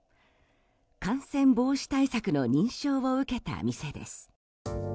感染防止対策の認証を受けた店です。